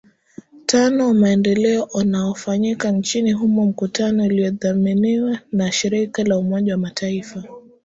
tano wa maendeleo onaofanyika nchini humo mkutano iliodhaminiwa na shirika la umoja wa mataifa